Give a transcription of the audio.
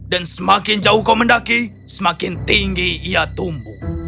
dan semakin jauh kau mendaki semakin tinggi ia tumbuh